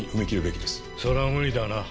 それは無理だな。